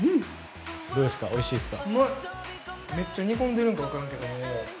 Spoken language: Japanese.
どうですか、おいしいですか？